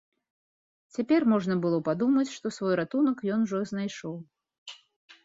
Цяпер можна было падумаць, што свой ратунак ён ужо знайшоў.